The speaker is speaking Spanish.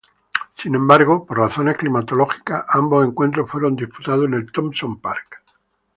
Sin embargo, por razones climatológicas ambos encuentros fueron disputados en el Thompson Park.